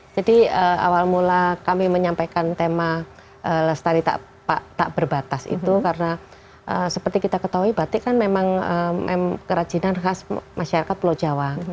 jadi awal mula kami menyampaikan tema lestari tak berbatas itu karena seperti kita ketahui batik kan memang kerajinan khas masyarakat pulau jawa